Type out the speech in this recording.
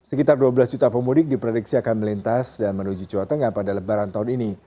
sekitar dua belas juta pemudik diprediksi akan melintas dan menuju jawa tengah pada lebaran tahun ini